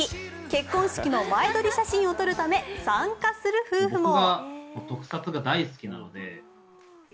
結婚式の前撮り写真を撮るため参加する夫婦も。